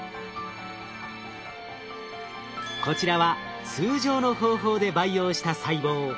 こちらは通常の方法で培養した細胞。